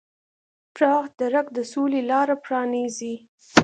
پراخ درک د سولې لاره پرانیزي.